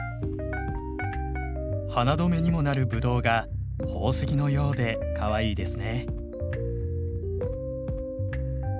花留めにもなるブドウが宝石のようでかわいいですね。